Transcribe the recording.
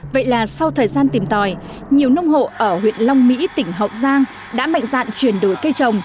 vậy là sau thời gian tìm tòi nhiều nông hộ ở huyện long mỹ tỉnh hậu giang đã mạnh dạn chuyển đổi cây trồng